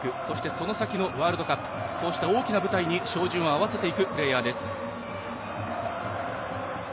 その先のワールドカップそうした大きな舞台に照準を合わせていくプレーヤーです。